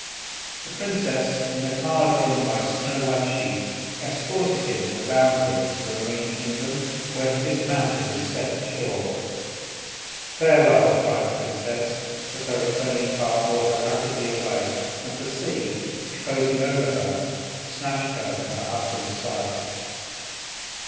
The princess, in a car drawn by snow white sheep, escorted him to the boundary of the marine kingdom, where he dismounted and stepped ashore. "Farewell!" cried the princess, as her returning car bore her rapidly away, and the sea, closing over her, snatched her from her husband's sight.